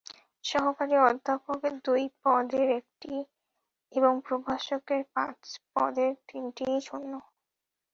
সহকারী অধ্যাপকের দুই পদের একটি এবং প্রভাষকের পাঁচ পদের তিনটিই শূন্য।